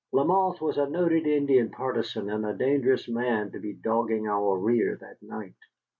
Lamothe was a noted Indian partisan and a dangerous man to be dogging our rear that night.